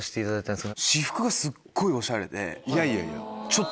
いやいやいや。